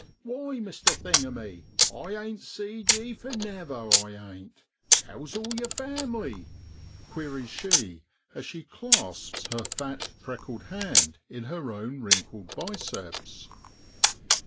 ' Why, Mr. Thingummy, I ain't seed ye for never, I ain't ! how's all yer fam'ly ?' queries she, as she clasps his fat, freckled hand in her own wrinkled biceps.